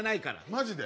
マジで？